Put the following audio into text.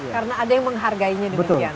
karena ada yang menghargainya demikian ya